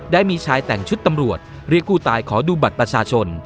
ได้มีชายแต่งชุดตำรวจเรียกผู้ตายขอดูบัตรประชาชน